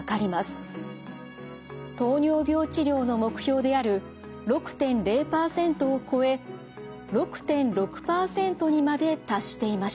糖尿病治療の目標である６．０％を超え６．６％にまで達していました。